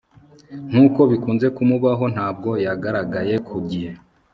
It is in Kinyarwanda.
nkuko bikunze kumubaho, ntabwo yagaragaye ku gihe